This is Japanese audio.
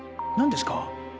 何ですか？